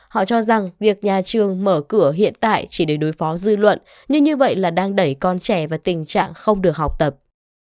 họ cho rằng việc nhà trường mở cửa hiện tại chỉ để đối phó dư luận nhưng như vậy là đang đẩy con trẻ vào tình trạng không được học tập